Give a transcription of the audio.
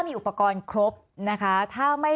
มีความรู้สึกว่าเสียใจ